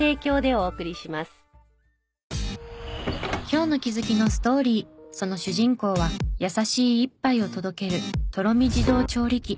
今日の気づきのストーリーその主人公は優しい一杯を届けるとろみ自動調理機。